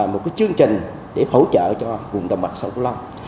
một cái chương trình để hỗ trợ cho vùng đồng bằng sông cửu long